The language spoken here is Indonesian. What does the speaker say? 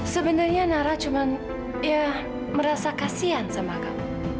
sebenarnya nara cuma merasa kasian dengan kamu